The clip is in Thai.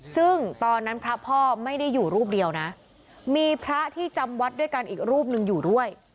ซึ่งตอนนั้นพระพ่อไม่ได้อยู่รูปเดียวนะมีพระที่จำวัดด้วยกันอีกรูปหนึ่งอยู่ด้วย